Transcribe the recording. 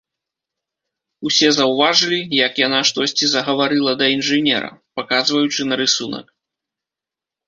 Усе заўважылі, як яна штосьці загаварыла да інжынера, паказваючы на рысунак.